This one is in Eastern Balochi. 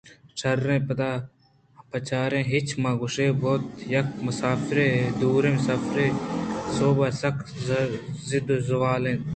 شیر ءِ پداں بِہ چار ءُ ہچّ مہ گوٛش بَہت یک مُسافِرئے دوریں سفرے ءِسوب ءَ سکّ ژَند ءُ ژُول بُوت